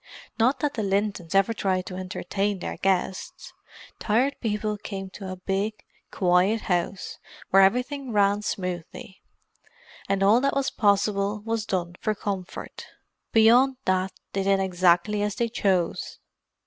Not that the Lintons ever tried to entertain their guests. Tired People came to a big, quiet house, where everything ran smoothly, and all that was possible was done for comfort. Beyond that, they did exactly as they chose.